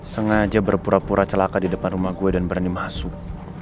sengaja berpura pura celaka di depan rumah gue dan berani masuk